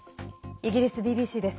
イギリスＢＢＣです。